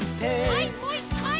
はいもう１かい！